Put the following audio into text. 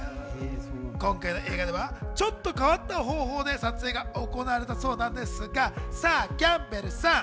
今回の映画ではちょっと変わった方法で撮影が行われたそうなんですが、キャンベルさん。